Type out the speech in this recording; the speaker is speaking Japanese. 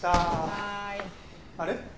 はーい。あれ？